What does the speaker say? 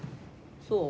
そう？